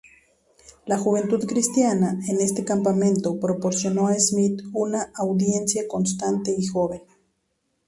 La juventud cristiana en este campamento proporcionó a Smith una audiencia constante y joven.